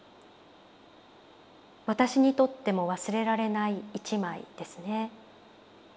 私にとっても忘れられない一枚ですね。